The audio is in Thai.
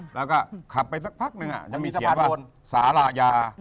แล้วก็ขับไปสักพักหนึ่งจะมีเขียนว่าสาระยา